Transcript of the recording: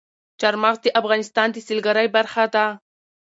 چار مغز د افغانستان د سیلګرۍ برخه ده.